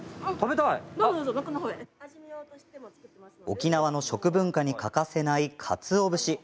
沖縄の食文化に欠かせないかつお節。